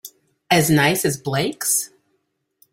As nice as Blake's?